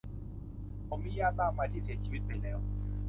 ผมมีญาติมากมาย ที่เสียชีวิตไปแล้ว